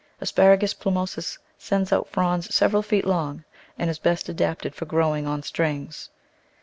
A. plumosus sends out fronds several feet long, and is best adapted for growing on strings.